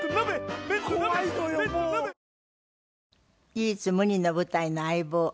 唯一無二の舞台の相棒